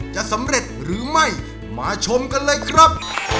จะสำเร็จหรือไม่มาชมกันเลยครับ